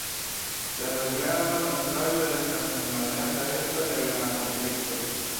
La hodiaŭa konstruaĵo estas nur malgranda resto la iama komplekso.